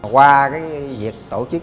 qua cái việc tổ chức